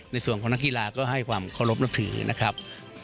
ในส่วนของนักกีฬาก็ให้ความเคารพนับถือนะครับ